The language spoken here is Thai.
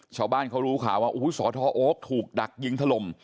ชาวบ้านเขารู้ข่าวว่าสทโอ๊คถูกดักยิงถล่ม